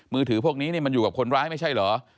ถือพวกนี้มันอยู่กับคนร้ายไม่ใช่เหรอ